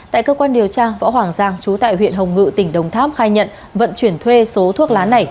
tại cơ quan điều tra võ hoàng giang chú tại huyện hồng ngự tỉnh đồng tháp khai nhận vận chuyển thuê số thuốc lá này